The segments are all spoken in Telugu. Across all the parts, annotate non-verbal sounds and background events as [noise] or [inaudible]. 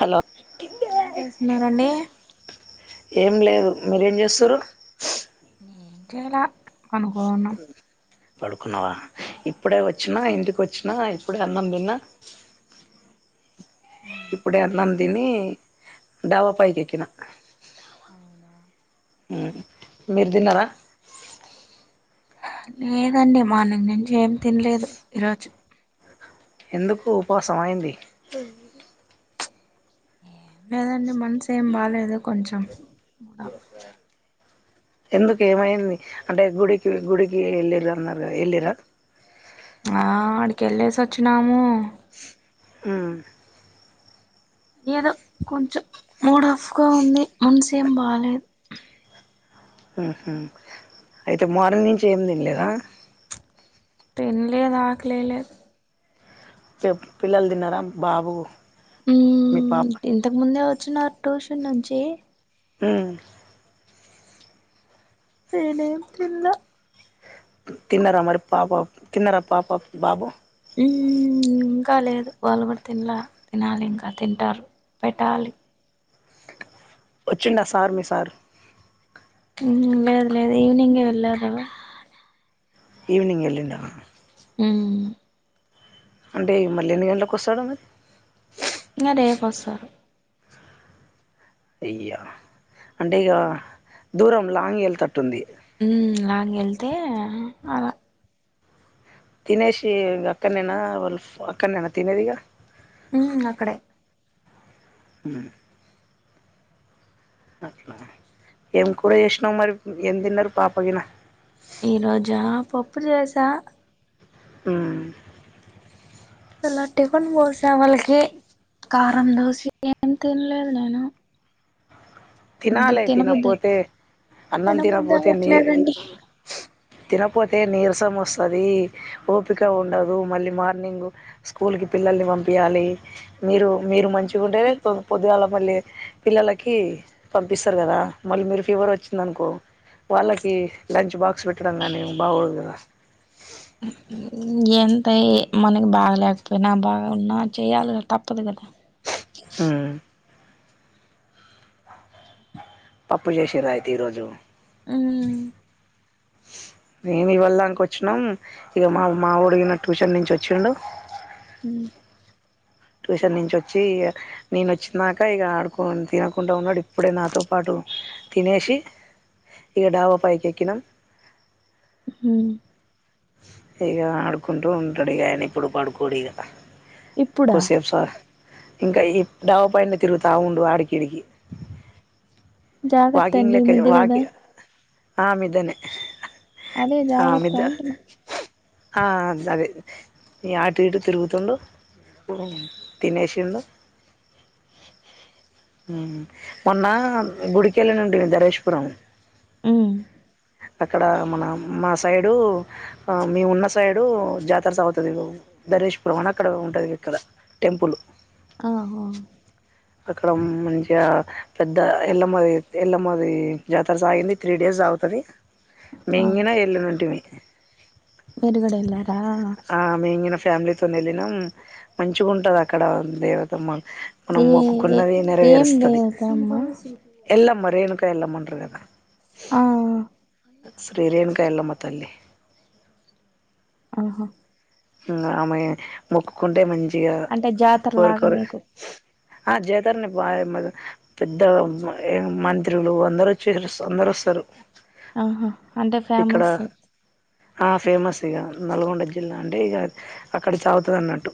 హలో ఏం చేస్తున్నారండి ఏం లేదు మీరేం చేస్తురు నేనా హ పడుకున్నావా ఇప్పుడే వచ్చినా ఇంటికి వచ్చినా ఇప్పుడే అన్నం తిన్న హుమ్ ఇప్పుడే అన్నం దిని డాబా పైకెక్కిన అవునా హుమ్ మీరు తిన్నారా లేదండి మార్నింగ్ నుంచి ఏం తినలేదు ఈరోజు ఎందుకు ఉపవాసమ ఏంది ఏం లేదండి మనసేం బాలేదు కొంచెం ఎందుకు ఏమైంది అంటే గుడికి గుడికి ఎల్లిరన్నారు ఎల్లిర్రా ఆ ఆడికి ఎళ్ళేసి వచ్చినాము హుమ్ ఏదో కొంచెం మూడ్ ఆఫ్గా ఉంది మనసేం బాలేదు హుమ్ హు అయితే మార్నింగ్ నుంచి ఏమి తినలేదా తిన్లేదు ఆకలేయలేద్ చెప్ పిల్లలు తిన్నారా బాబు మీ హుమ్ పాప ఇంతకు ముందే వచ్చినారు ట్యూషన్ నుంచి హుమ్ నేనేం తిన్ల తిన్నార మరి పాప తిన్నార పాప బాబు ఇంకా లేదు వాళు కూడా తిన్ల తినాలి ఇంకా తింటారు పెట్టాలి వచ్చిండ సార్ మీ సార్ హుమ్ లేదు లేదు ఈవనింగే వెళ్ళారు కదా ఈవనింగ్ ఎల్లిండ హుమ్ అంటే మల్ ఎన్ని గంటలకు వస్తాడు ఇగ రేపోస్తరు అయ్యో అంటే ఇగ దూరం లాంగ్ వెల్తట్టు ఉంది మ్ లంగెళ్తే అలా తినేసి ఇ అక్కనేనా వాళ్ళు అక్కనేదిగా మ్ అక్కడే మ్ అట్లానఏం కూర చేసినావు మరి ఏం తిన్నారు పాప గిన ఈ రోజా పప్పు చేసా మ్ ఇలా టిఫిన్ పోసే వాళ్ళకి కారం దోశ ఏం తినలేదు నేను వద్దు తినాలి తినబుద్ది తినపోతే అన్నం తినబుద్ది తినపోతే నీరు అవ్వట్లేదండి తినపోతే నీరసం వస్తది ఓపిక ఉండదు మళ్ళీ మార్నింగ్ స్కూల్ కి పిల్లల్ని పంపియాలి మీరు మీరు మంచ్ ఉంటేనే పొద్దుగాళ మళ్ళీ పిల్లలకి పంపిస్తారు కదా మళ్ళీ మీరు ఫీవర్ వచ్చిందనుకో వాళ్ళకి లంచ్ బాక్స్ పెట్ ట్టడం గాని బాగుండదు కద ఎంతయ్ మనకి బాగలేకపోయినా బాగున్నా చెయాలి కదా తప్పదు కదా మ్ పప్పు చేసిర్ర అయితే ఈ రోజు మ్ మేమి ఇవాల్దంక వచ్చినం ఇగ మా మా ఒడు గినా ట్యూషన్ నుంచి వచ్చిండు మ్ ట్యూషన్ నుంచి వచ్చి ఇగ నేను వచ్చినాక ఇగ ఆడుకో తినకుండా ఉన్నాడు ఇప్పుడే నాతో పాటు తినేసి ఇగ డాబ పైకేక్కినం మ్ ఇగ ఆడుకుంటూ ఉంటడు ఇగ ఆయన ఇప్పుడు పడుకోడు ఇగ ఇప్పుడా కొసేపు స ఇంకా ఈ డాబ పైనే తిరుగుతా ఉండు ఆడికీడికి జాగ్రత్త వాకింగ్ అండి లేక్కనే మిద్ది వాక్ కదా ఆమిదనే అదే జాగ్రత్త ఆమిద్ద అంటున్నా అ సధి ఇగ ఆటు ఇటు తిరుగుతుండు తినేసిండు మొన్న గుడిక్ కెళ్ళినుంటిమీ ధరేష్ పురం మ్ అక్కడ మన మా సైడు ఆ మేము ఉన్న సైడు జాతర సాగుతది ధరేష్ పురం అని అక్కడ ఉంటది ఇక్కడ టెంపులు ఆహా అక్కడ మంచిగా పెద్ద ఎళ్లమ్మ ది ఎళ్లమ్మ ది జాతర సాగింది త్రీ డేస్ సాగుతది ఆ మింగినా ఎల్లి నుంటిమి విరుకుడా ఎల్లారా ఆ మేం గిన ఫ్యామిలి తొని ఎల్లినం మంచిగా ఉంటది అక్కడ దేవతమ్మ మనం ఏ ఏ మొక్కుకున్నది ఏం నెరవేరుస్తది లేదమ్మా ఎల్లమ్మ రేణుక ఎల్లమ్మ అంటరు కదా ఆ శ్రీ రేణుక ఎల్లమ్మ తల్లి ఆహా ఆమె మొక్కుకుంటే మంచిగా అంటే జాతర లాగా కోరికోరు మీకు ఆ జాతర్ని బాగ్ ఎమ్మదు పెద్ద మంత్రులు అందరూ వచ్చిర్రు అందరు వస్తరు. ఆహా అంటే ఫేమస్ ఆ ఫేమస్ ఇగ నల్గొండ జిల్లా. అంటే ఇగ అక్కడ సాగుతది అన్నట్టు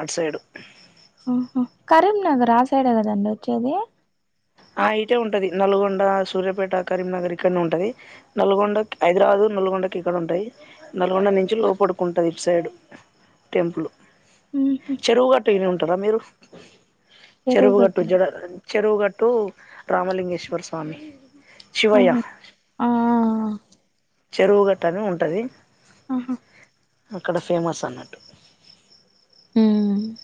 అటు సైడు ఉహు కరీంనగర ఆ సైడే కదండి వచ్చేది ఆ ఇటే ఉంటది నల్గొండ సూర్యాపేట కరీంనగర్ ఇక్కన్నే ఉంటది నల్గొండక్ హైదరాబాదు నల్గొండకి ఇక్కడ ఉంటాయి. నల్గొండ నుంచి లోపడుకుంటది ఇటు సైడ్. టెంపులు, ఉహు చెరువుగట్టు విని ఉంటరా మీరు? చెరువు గట్ట చెరువుగట్టు జడ చెరువుగట్టు రామలింగేశ్వర స్వామి. శివయ్య ఆహా ఆ చెరువుగట్ట అని ఉంటది. ఆహ అక్కడ ఫేమస్ అన్నట్టు. మ్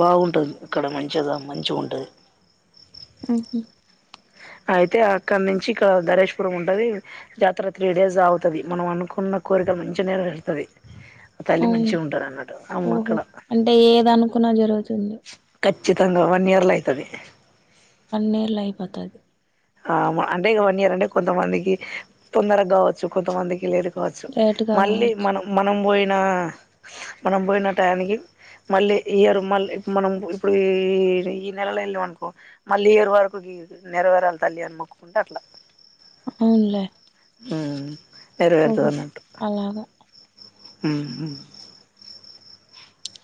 బాగుంటది అక్కడ మంచెదా మంచిగ ఉంటది ఉ హు అయితే అక్కన్నుంచి ఇక్కడ దరేషపురం ఉంటది. జాతర త్రీ డేస్ సాగుతది. మనం అనుకున్న కోరిక మంచి నెరవేరుతది. తల్లి అవును మంచిగ ఉంటరు అన్నట్టు అమ్మ ఓహో అక్కడ. అంటే ఏదనుకున్నా జరుగుతుంది. ఖచ్చితంగా వన్ ఇయర్ లో అయితది. వన్ ఇయర్ లో అయిపోతాయి. ఆ అంటే వన్ ఇయర్ అంటే కొంతమందికి తొందర గావచ్చు, కొంతమందికి లేట్ గ్ గావచ్చు లేటుగా మళ్ళీ కావచ్చు మనం మనం బోయిన మనం బోయిన టైయానికి మళ్ళీ ఈ ఇయరు మళ్ళి మనం ఇప్పుడు ఈ ఈ నెలలో ఎల్లాం అనుకో మళ్ళీ ఇయర్ వరకు గి నెరవేరాలి తల్లి అని మొక్కుకుంటే అట్లా అవున్లే మ్ ఓహొ అలాగ మ్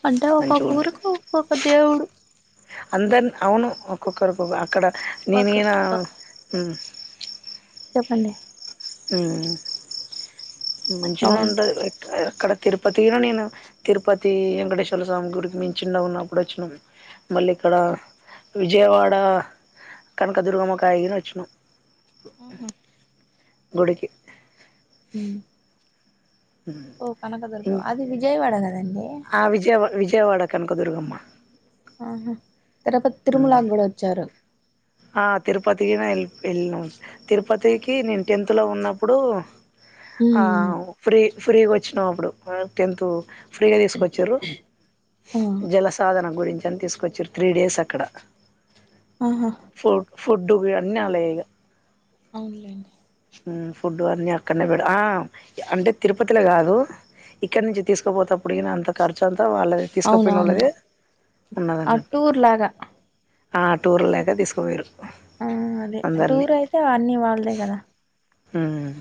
అంటే ఒక్కొక్క ఊరుకు ఒక్కొక్క దేవుడు. అందరు అవును ఒక్కొక్కరు ఒగొగ అక్కడ ఈ ఒక నేనా ఆ చెప్పండి మ్ మంచినే అవును ఉంటది లైక్ అక్కడ తిరుపతిను నేను తిరుపతీ వెంకటేశ్వరల స్వామి గుడికి మేం చిన్నగ ఉన్నప్పుడు వచ్చినం. మళ్ళీ ఇక్కడ విజయవాడ కనకదుుర్గమ్మకాయిర్ వచ్చనం మ్హు గుడికి ఉమ్ ఓ కనకదుర్గం అది విజయ్వాడకదండి ఆ విజయవా విజయవాడ కనుక దురుగమ్మ ఆహా తిరుపతి తిరుమలాకి కూడా వచ్చారు ఆ తిరుపతిగిన వె వెళ్ళినం తిరుపతికి నేను టెన్త్ లో ఉన్నప్పుడు ఆ ఉమ్ ఫ్రీ ఫ్రీ గోచ్చినాం అప్పుడు మాక్ టెన్త్ ఫ్రీగా తీసుకొచ్చిరూ ఆ జల సాధన గురించి అని తీసుకొచ్చిరు త్రీ డేస్ అక్కడ ఆహా ఫు ఫూడ్డూ ఇగ అన్ని అల్లయే ఇగ అవున్లేండి ఉ ఫుడ్డు అన్నీ అక్కడనే పెడు ఆ అంటే తిరుపతిల గాదు ఇక్కడ్ నుంచి తీసుకోపోతప్పుడ్గిన అంత ఖర్చ్ అంతా వాళ్ళదే అవును తీసుకుపోయినోళ్ళదే అవునులే ఆ ఉన్నదన్నట్టు టూర్ లాగా ఆ టూర్ లాగా తీసుకపోయింరూ ఆ అదే టూర్ అయితే అన్నీ వాళ్దే కదా ఉమ్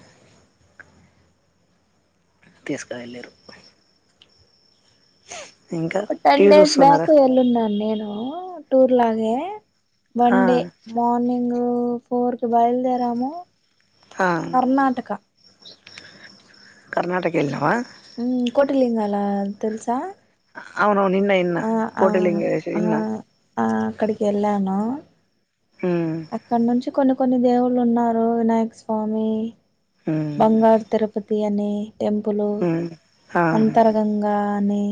తీస్క వెళ్ళిరూ ఇంకా టెన్ టీవీ డేస్ బ్యాక్ చూస్తున్నారా వెళ్ళుండను నేను టూర్ లాగే ఆ వన్ డే మార్నింగ్ ఫోర్కి బయలుదేరాము ఆ కర్ణాటక కర్ణటక ఎల్లవా ఉమ్ కోటిలింగాలా తెలుసా అవునవును ఇన్న ఇన్న ఆ ఆ కోటిలింగేశ్ ఆ ఇన్న ఆ అక్కడికేళ్ళాను హ్మ్ అక్కడ నుంచి కొన్ని కొన్ని దేవుళ్ళు ఉన్నారు వినాయక స్వామి హ్మ్ బంగారు తిరుప్ పతి అనే టెంపులు హ్మ్ ఆ అంతర గంగా అని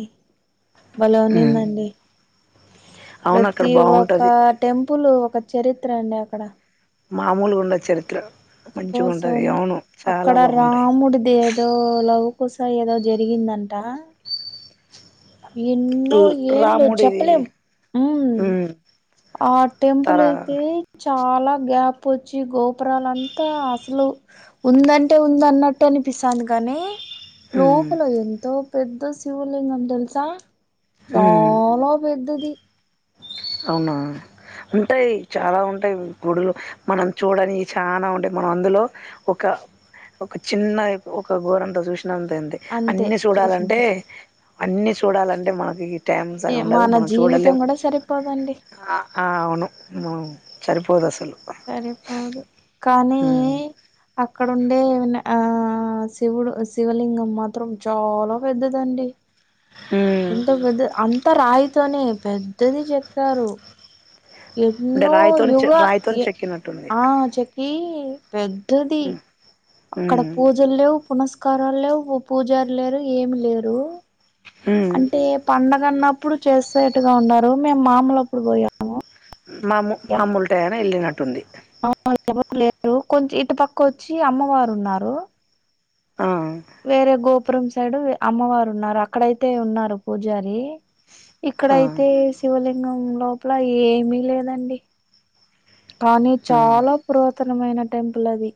బలే హ్మ్ ఉన్నిందండి అవును అక్కడ ప్రతి ఒక బావుంటది టెంపులు ఒక చరిత్ర అండి అక్కడ మామూలు గుండదు చరిత్ర మంచిగుంటది భోస్వామి అవును చాలా అక్కడ బాగుంటాయి రాముడు దే దో లవ కుశ ఏదో జరిగిందంట ఎన్నో ఏళ్లు రాముడిది చెప్పలేమ్ ఉహ్ హ్మ్ ఆ టెంపుల్ తర అయితే చాలా గ్యాపోచ్చి గోపురాలంతా అస్లు ఉందంటే ఉందన్నట్టు అనిపిస్తాంది కానీ హ్మ్ లోపల ఎంతో పెద్ద శివులింగం తెలుసా హ్మ్ చాలా పెద్దది అవునా ఉంటాయి చాలా ఉంటాయి గుడులు మనం చూడనియి చాలా ఉంటాయి మనం అందులో ఒక ఒక చిన్న ఒక గోరంత చూసినంత అయింది అంతే అన్ని సుడాలంటే చూసుంటాం అన్ని సుడాలంటే మనకి టైం సరి ఏ ఉండదు మన మనం జీవితం చూడలేం కూడా సరిపోదండి ఆ ఆ అవును సరిపోదు అసలు సరిపోదు కానీ ఉమ్. అక్కడ ఉండే ఆ ఆ శివుడు శివలింగం మాత్రం చాలా పెద్దదండి హు ఎంత పెద్ద అంత రాయితోనే పెద్దది చెక్కారు అంటే ఎన్నో రాయితోని చె యుగా రాయితోని ఏ చెక్కినట్టుంది ఆ చె క్కి పెద్దది ఉమ్. అక్కడ ఉమ్. పూజలు లేవు పునస్కారాలేవ్ పూజారి లేరు ఏమి లేరు ఉమ్. అంటే పండగ అన్నప్పుడు చేసేట్టుగా ఉన్నారు మేము మాములప్పుడు పోయాము మాము మాములుటయాన వెళ్ళినట్టుంది [unintelligible] ఆ వేరే గోపురం సైడ్ అమ్మవారు ఉన్నారు అక్కడయితే ఉన్నారు పూజారి ఆ. ఇక్కడయితే శివలింగం లోపల ఏమి లేదండి కానీ ఉమ్. చాలా పురాతనమైన టెంపుల్ అది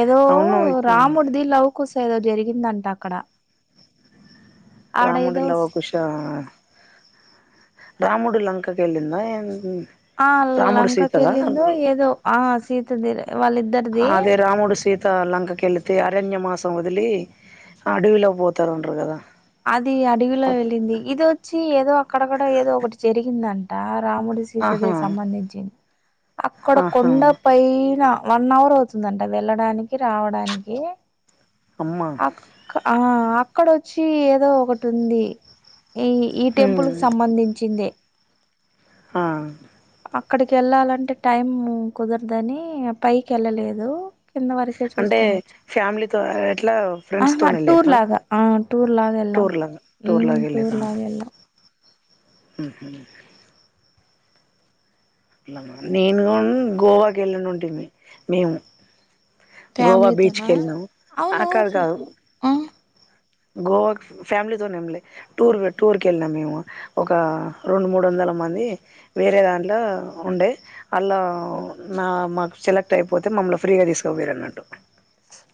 ఏదో అవును రాముడిది లవకుశ ఏదో జరిగిందంట అక్కడ ఆడేదో రాముడిలవకుశ రాముడు లంకకెళ్ళిందా ఏంటి ఆ లంకకెళ్లిందొ ఏదో ఆ సీతది వాళ్ళ ఇ అదే రాముడు సీత త లంకకెళితే అరణ్య మాసం వదిలి అడవిలో పోతా ఉంటారు కదా అది అడవి లో వెళ్ళింది ఇది వచ్చి ఏదో అక్కడక్కడ ఏదో ఒకటి జరిగిందంట రాముడి సీతదే ఆహా సంబంధించింది అక్కడ ఆహా కొండ పైన వన్ అవర్ అవుతుందంట వెళ్ళడానికి రావడానికి అమ్మ అక్క ఆ అక్కడొచ్చి ఏదో ఒకటి ఉంది ఈ ఈ టెంపుల్ ఉమ్, కి సంబంధించిందే ఆ అక్కడికి వెళ్ళాలంటే టైం కుదరదని పైకి వెళ్ళలేదు అంటే ఫ్యామిలీతో ఎట్లా ఫ్రెండ్స్తో ఆహా టూర్ వెళ్ళిరా లాగా ఆ టూర్ లాగా ఎళ్ళాం. టూర్ లాగా హ్మ్ టూర్లాగ టూర్ వెళ్ళిరా లాగా ఎళ్ళాం. ఉహు నేను కూడా గోవాకి వెళ్ళడి ఉంటేంది మేము గోవా బీచ్కి ఫ్యామిలీతోనా? వెళ్ళాం ఆ అవును కాదు కాదు ఆ గోవాకి ఫ్యామిలీతోను వెళ్ళలే టూర్ టూర్ కి వెళ్ళినాం మేము ఒక రెండు మూడు వందల మంది వేరే దాంట్లో ఉండే అల్లు నా మాకు సెలెక్ట్ అయిపోతే మమ్మల్ని ఫ్రీగా తీసుక పోయరు అన్నట్టు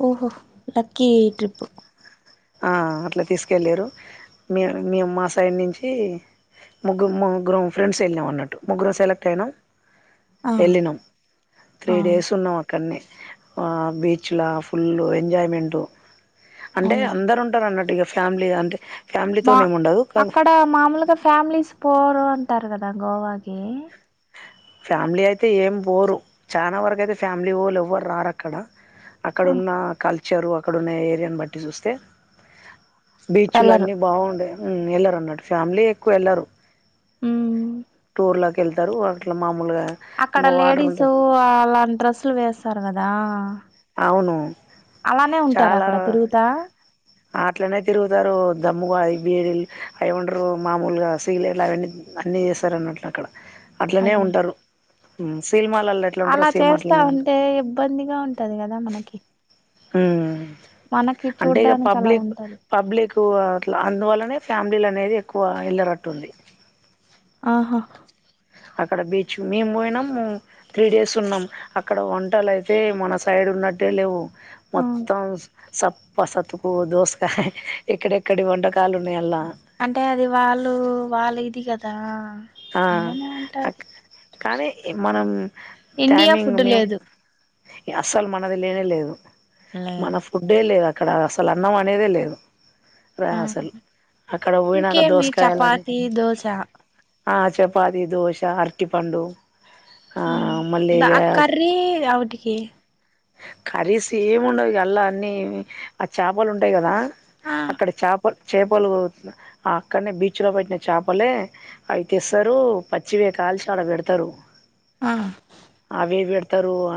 ఓహో లక్కీ ట్రిప్ ఆ అట్లా తీసుకెళ్ళరు మేం మేము మా సైడ్ నుంచి ముగ్గు ముగ్గురమ్ ఫ్రెండ్స్ వెళ్ళాం అన్నటు ముగ్గురం సెలెక్ట్ అయినాం ఆ వెళ్ళినాం త్రీ ఆ డేస్ ఉన్నాం అక్కడ అక్కన్నె ఆ బీచ్ల ఫుల్ ఎంజాయ్మెంటు అంటే అవునులే అందరూ ఉంటారు అన్నట్టే ఇగ ఫ్యామిలీ అంటే బా ఫ్యామిలీతోనే ఏమి ఉండదు అక్కడ మామూలుగా ఫ్యామిలీస్ పోరు అంటారు కదా గోవాకి ఫ్యామిలీ అయితే ఏం బోరు చాలా వరకు అయితే ఫ్యామిలీ వొళ్ళు ఎవరు రారు అక్కడ అక్కడ ఆ అక్కడున్న కల్చరు అక్కడున్న ఏరియాను బట్టి చూస్తే బీచ్లు వెళ్ళరు. అన్ని బాగుండేయి వెళ్లరు అన్నట్టు ఫ్యామిలీ ఎక్కువ వెళ్లరు ఉ టూర్లకేళ్తారు వాటిలో మామూలుగా ఇంకా వాటర్ ఉంటది కు అలాంటి డ్రెస్సులు వేస్తారు కదా అవును అలానే ఉంటారా చాలా అక్కడ తిరుగుతా అట్లనే తిరుగుతారు దమ్ముగా బీడలు అవి ఏమంటారు మామూలుగా సిగలేట్లు అవన్నీ అన్ని చేస్తారు అన్నట్లు అక్కడ అట్లనే అయ్యా ఉంటారు సినిమాలల్లా అలా చేస్తే అంటే ఇబ్బందిగా ఉంటది కదా మనకి హ్మ్ మనకి అంటే ఇగ చూడ్డానికి అలా పబ్లిక్ ఉంటది పబ్లిక్ అట్లా అందువల్లనే ఫ్యామిలీలు అనేది ఎక్కువ ఎల్లరట్టుంది ఆహా అక్కడ బీచ్ మేము పోయినాము త్రీ డేస్ ఉన్నాం అక్కడ వంటలు అయితే మన సైడ్ ఉన్నట్టే లేవు ఆ మొత్తం సప్ప సతుకు దోసకాయ్ ఎక్కడెక్కడి వంటకాలు ఉన్నాయ్ అల్లా అంటే అది వాళ్ళు వాళ్ళ ఇది కదా ఆ అలానే ఉంటది కానీ మనం ఇండియా టైమింగ్ ఫుడ్ మేము లేదు అసలు మనది లేనే లేదు మన లేదు ఫుడ్డే లేదు అక్కడ అసలు అన్నం అనేదే లేదు రా ఆ అసలు అక్కడ పోయినాంక దోసకాయాలని ఈ దోశ ఆ చపాతి దోశ అరటిపండు ఆ మళ్లీ ద ఇగ కర్రీ అవిటికి కర్రీస్ ఏమి ఉండవు ఇగ ఆల్లా అన్ని ఆ చాపలు ఉంటాయి కదా ఆ అక్కడ చాప చేపలు ఆ అక్కడనే బీచ్‌లో పట్టిన చేపలే అయి తేస్తారు పచ్చివే కాల్చి ఆడ పెడతారు ఆ అవే పెడతారు